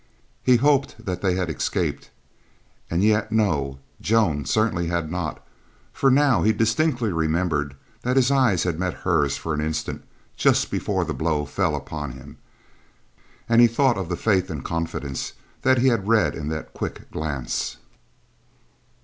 He hoped that they had escaped, and yet—no, Joan certainly had not, for now he distinctly remembered that his eyes had met hers for an instant just before the blow fell upon him, and he thought of the faith and confidence that he had read in that quick glance.